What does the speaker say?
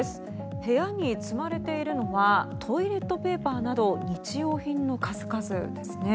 続いてはこちら部屋に積まれているのはトイレットペーパーなど日用品の数々ですね。